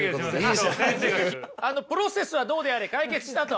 あのプロセスはどうであれ解決したと。